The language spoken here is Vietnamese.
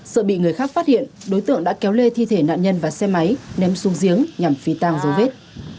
sợ bị người khác phát hiện đối tượng đã kéo lê thi thể nạn nhân và xe máy ném xuống giếng nhằm phi tang dấu vết